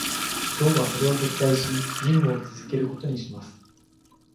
ジョンはそれを撃退し、任務を続けることにします。